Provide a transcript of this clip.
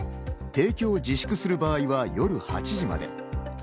提供を自粛する場合は夜８時まで。